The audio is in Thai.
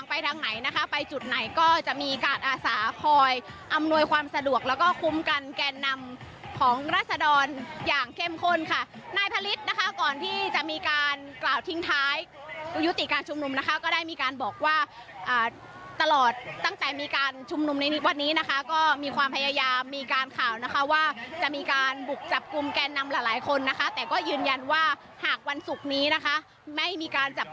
ไปทางไหนนะคะไปจุดไหนก็จะมีการอาสาคอยอำนวยความสะดวกแล้วก็คุ้มกันแกนนำของราศดรอย่างเข้มข้นค่ะนายผลิตนะคะก่อนที่จะมีการกล่าวทิ้งท้ายยุติการชุมนุมนะคะก็ได้มีการบอกว่าอ่าตลอดตั้งแต่มีการชุมนุมในวันนี้นะคะก็มีความพยายามมีการข่าวนะคะว่าจะมีการบุกจับกลุ่มแกนนำหลายหลายคนนะคะแต่ก็ยืนยันว่าหากวันศุกร์นี้นะคะไม่มีการจับ